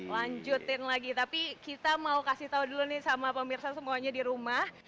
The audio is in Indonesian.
lanjutin lagi tapi kita mau kasih tahu dulu nih sama pemirsa semuanya di rumah